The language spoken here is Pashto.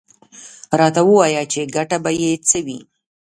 _راته ووايه چې ګټه به يې څه وي؟